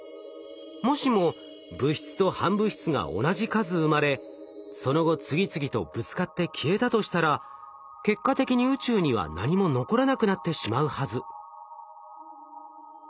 もしも物質と反物質が同じ数生まれその後次々とぶつかって消えたとしたら結果的に宇宙には何も残らなくなってしまうはず。